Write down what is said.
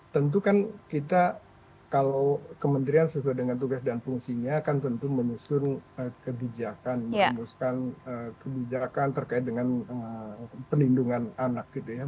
tentu kan kita kalau kementerian sesuai dengan tugas dan fungsinya kan tentu menyusun kebijakan merumuskan kebijakan terkait dengan perlindungan anak gitu ya